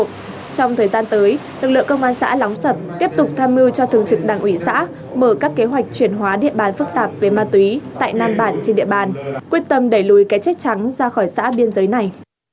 trong thời gian tới lực lượng công an xã lóng sập tiếp tục tham mưu cho thường trực đảng ủy xã mở các kế hoạch chuyển hóa địa bàn phức tạp về ma túy tại nam bản trên địa bàn quyết tâm đẩy lùi cái chết trắng ra khỏi xã biên giới này